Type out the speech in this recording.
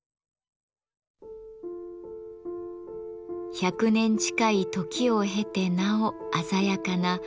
１００年近い時を経てなお鮮やかな緋色の装束。